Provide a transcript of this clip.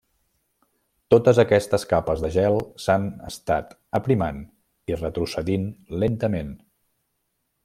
Totes aquestes capes de gel s'han estat aprimant i retrocedint lentament.